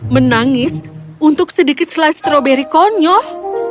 menangis untuk sedikit slide stroberi konyol